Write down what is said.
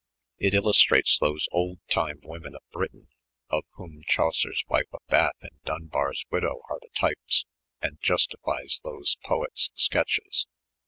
It illustrates those old time women of Britain, of whom Chaucer's Wife of Bath and Dunbar's Widow are the types, and justifies those poets' sketches.